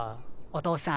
お父さん。